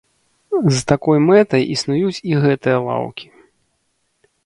З такой мэтай існуюць і гэтыя лаўкі.